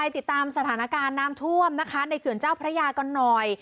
ติดตามสถานการณ์น้ำท่วมนะคะในเขื่อนเจ้าพระยากันหน่อย